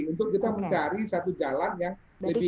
jadi kita harus mencari satu jalan yang lebih